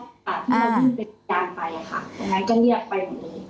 ใช่ค่ะที่มายืนเป็นอายการไปค่ะอันนั้นก็เรียกไปหมดเลย